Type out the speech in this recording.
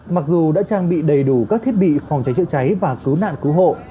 mặc dù đã trang bị đầy đủ các thiết bị phòng cháy chữa cháy và cứu nạn cứu hộ